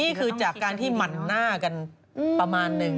นี่คือจากการที่หมั่นหน้ากันประมาณหนึ่ง